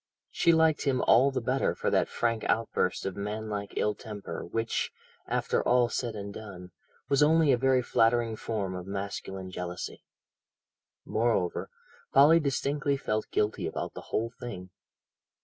She liked him all the better for that frank outburst of manlike ill temper which, after all said and done, was only a very flattering form of masculine jealousy. Moreover, Polly distinctly felt guilty about the whole thing.